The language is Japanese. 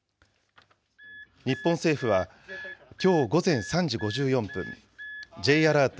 日本政府はきょう午前３時５４分、Ｊアラート